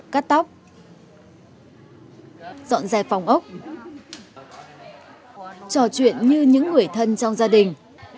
cắt tóc dọn dẹp phòng ốc trò chuyện như những người thân trong gia đình